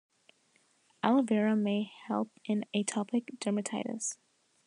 Aloe vera may help in atopic dermatitis.